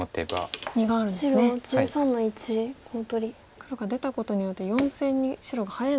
黒が出たことによって４線に白が入れなくなってると。